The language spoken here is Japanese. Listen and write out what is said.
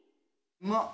うまっ。